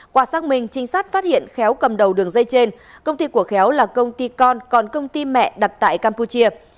qua xác minh trinh sát phát hiện khéo cầm đầu đường dây trên công ty của khéo là công ty con còn công ty mẹ đặt tại campuchia